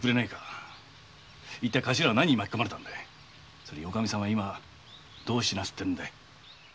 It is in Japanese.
そしておカミさんは今どうしなすっているんだい？